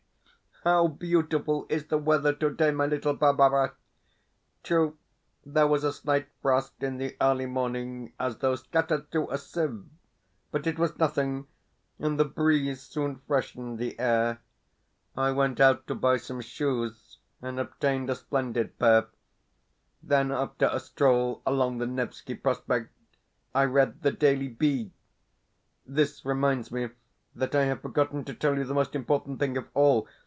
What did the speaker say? How beautiful is the weather today, my little Barbara! True, there was a slight frost in the early morning, as though scattered through a sieve, but it was nothing, and the breeze soon freshened the air. I went out to buy some shoes, and obtained a splendid pair. Then, after a stroll along the Nevski Prospect, I read "The Daily Bee". This reminds me that I have forgotten to tell you the most important thing of all.